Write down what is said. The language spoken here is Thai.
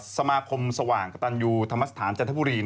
สมาคมสว่างกระตันยูธรรมสถานจันทบุรี